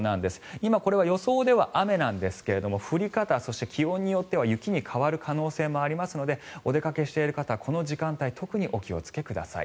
今、これは予想では雨なんですが降り方、そして気温によっては雪に変わる可能性もありますのでお出かけしている方はこの時間帯特にお気をつけください。